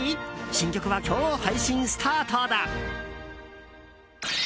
新曲は今日、配信スタートだ。